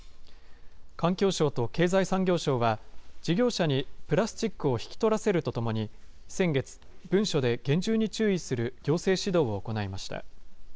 環境省と経済産業省は、事業者にプラスチックを引き取らせるとともに、先月、文書で厳重に注意する行政指導を行いました。